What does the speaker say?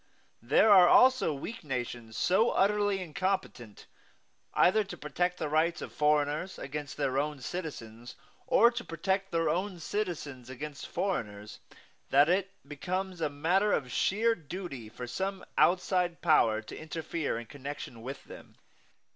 There are also weak nations so utterly incompetent either to protect the rights of foreigners against their own citizens, or to protect their own citizens against foreigners, that it becomes a matter of sheer duty for some outside power to interfere in connection with them.